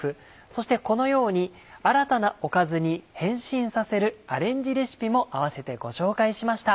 そしてこのように新たなおかずに変身させるアレンジレシピも併せてご紹介しました。